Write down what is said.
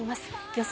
予想